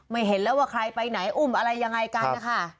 เห็นแล้วว่าใครไปไหนอุ้มอะไรยังไงกันนะคะ